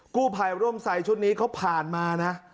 กู้ภัยร่มใส่ชุดนี้เขาผ่านมานะ